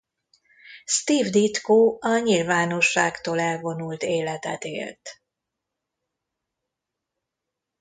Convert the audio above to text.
Steve Ditko a nyilvánosságtól elvonult életet élt.